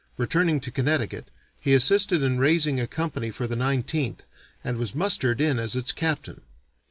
Returning to Connecticut, he assisted in raising a company for the Nineteenth, and was mustered in as its captain.